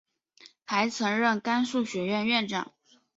还曾任甘肃学院院长。